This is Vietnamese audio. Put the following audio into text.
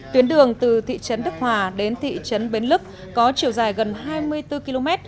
tuyến đường từ thị trấn đức hòa đến thị trấn bến lức có chiều dài gần hai mươi bốn km